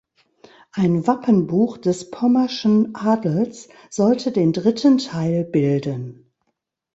Ein Wappenbuch des pommerschen Adels sollte den dritten Teil bilden.